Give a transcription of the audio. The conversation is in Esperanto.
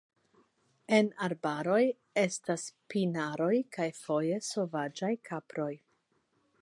En arbaroj estas pinaroj kaj foje sovaĝaj kaproj.